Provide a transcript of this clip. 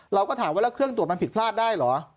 เราก็ถามว่าแล้วเครื่องตรวจมันผิดพลาดได้เหรอ